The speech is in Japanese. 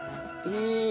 いい！